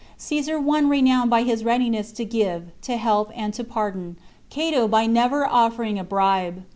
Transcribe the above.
Caesar won renown by his readiness to give, to help, and to pardon; Cato by never offering a bribe.